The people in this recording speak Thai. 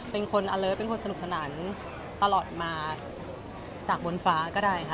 เป็นคนอเลิศเป็นคนสนุกสนานตลอดมาจากบนฟ้าก็ได้ค่ะ